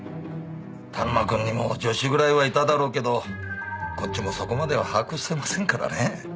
田沼くんにも助手ぐらいはいただろうけどこっちもそこまでは把握してませんからね。